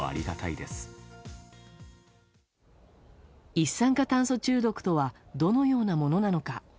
一酸化炭素中毒とはどのようなものなのか。